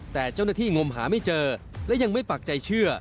แต่เจ้าหน้าที่งมหาไม่เจอและยังไม่ปักใจเชื่อ